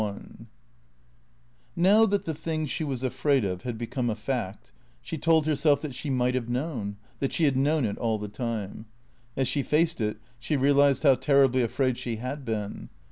XXXI Now that the thing she was afraid of had become a fact, she told herself that she might have known, that she had known it all the time. As she faced it she realized how terribly afraid she had been.